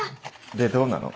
でどうなの？